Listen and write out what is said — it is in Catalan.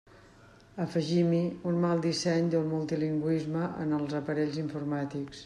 Afegim-hi un mal disseny del multilingüisme en els aparells informàtics.